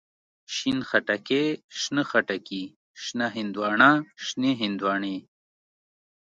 شين خټکی، شنه خټکي، شنه هندواڼه، شنې هندواڼی.